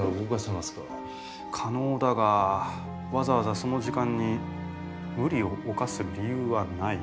可能だがわざわざその時間に無理を犯す理由はない。